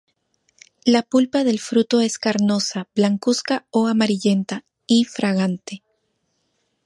La pulpa del fruto es carnosa, blancuzca o amarillenta, y fragante.